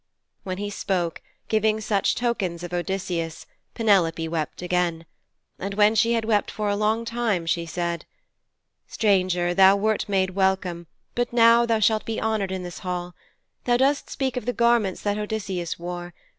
When he spoke, giving such tokens of Odysseus, Penelope wept again. And when she had wept for a long time she said: 'Stranger, thou wert made welcome, but now thou shalt be honoured in this hall. Thou dost speak of the garments that Odysseus wore.